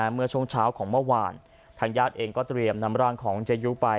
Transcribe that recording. เมื่อช่วงเช้าของเมื่อวานทางญาติเองก็เตรียมนำร่างของเจยุไป